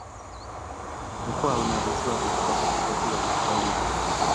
Mkoa una visiwa vikubwa katika Ziwa Victoria